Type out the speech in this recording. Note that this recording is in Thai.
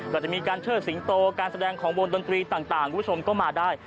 ก็จะมีการเชิดสิงโตการแสดงของวงดนตรีต่างคุณผู้ชมก็มาได้